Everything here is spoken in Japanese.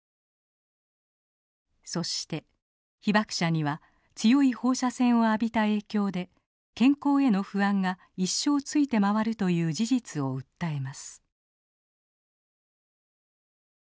そして被爆者には強い放射線を浴びた影響で健康への不安が一生付いて回るという事実を訴えます。